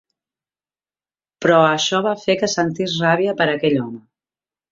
Però això va fer que sentís ràbia per aquell home.